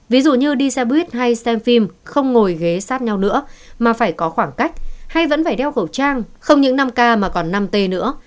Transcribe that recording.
ví dụ như đi xe buýt hay xem phim không ngồi ghế sát nhau nữa mà phải có khoảng cách hay vẫn phải đeo khẩu trang không những năm k mà còn năm t nữa